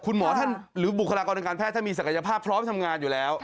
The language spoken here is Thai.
คุณหมอท่านหรือบุคลากรทางการแพทย์ท่านมีศักยภาพพร้อมทำงานอยู่แล้ว